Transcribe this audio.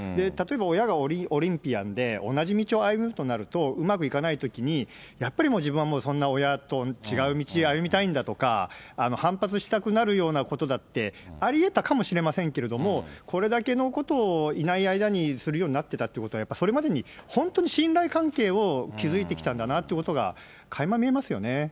例えば親がオリンピアンで、同じ道を歩むとなると、うまくいかないときに、やっぱりもう自分はそんな親と違う道、歩みたいんだとか、反発したくなるようなことだってありえたかもしれませんけれども、これだけのことをいない間にするようになってたということは、やっぱそれまでに本当、信頼関係を築いてきたんだなということがかいま見えますよね。